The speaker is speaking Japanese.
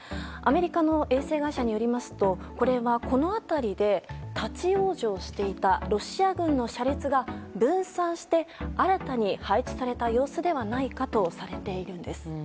アメリカの衛星会社によりますとこれは、この辺りで立ち往生していたロシア軍の車列が分散して新たに配置された様子ではないかとされているんです。